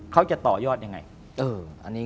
เขาจะต่อยอดยังไง